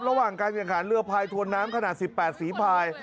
ระหว่างการยังหาเรือพลายถวนน้ำขนาด๑๘ศีรภาย